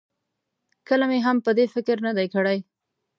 کله مې هم په دې فکر نه دی کړی.